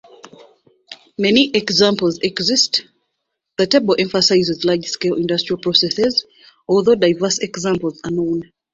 Many examples exist, the table emphasizes large-scale industrial processes, although diverse examples are known.